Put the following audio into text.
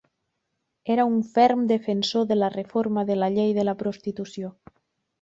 Era un ferm defensor de la reforma de la llei de la prostitució.